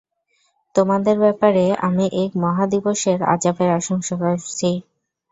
তোমাদের ব্যাপারে আমি এক মহাদিবসের আযাবের আশঙ্কা করছি।